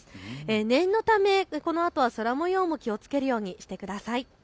念のため、このあとは空もようも気をつけるようにしてください。